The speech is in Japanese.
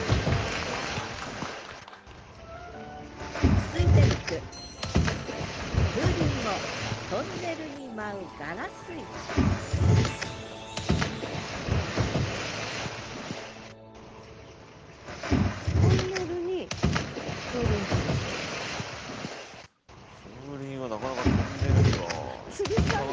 続いての句風鈴はなかなかトンネルにはつるさない。